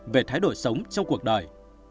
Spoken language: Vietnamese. về thay đổi sống trong cuộc đời